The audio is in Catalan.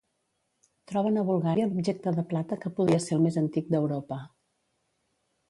Troben a Bulgària l'objecte de plata que podria ser el més antic d'Europa.